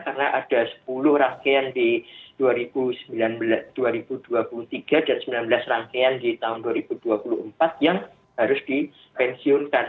karena ada sepuluh rangkaian di dua ribu dua puluh tiga dan sembilan belas rangkaian di tahun dua ribu dua puluh empat yang harus dipensiunkan